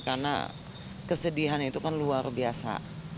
karena kesedihan itu kan luar biasa